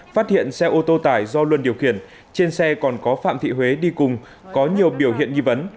phát hiện xe ô tô tải do luân điều khiển trên xe còn có phạm thị huế đi cùng có nhiều biểu hiện nghi vấn